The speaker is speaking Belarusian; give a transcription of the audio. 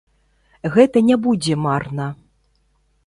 Гэта не будзе марна.